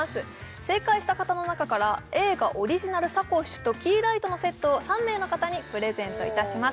正解した方の中から映画オリジナルサコッシュとキーライトのセットを３名の方にプレゼントいたします